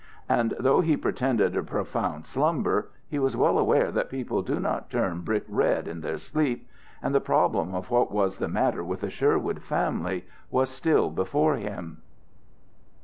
And though he pretended profound slumber, he was well aware that people do not turn brick red in their sleep. And the problem of what was the matter with the Sherwood family was still before him.